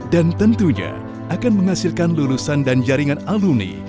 dan tentunya akan menghasilkan lulusan dan jaringan aluni